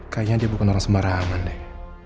kayaknya dia bukan orang semarangan deh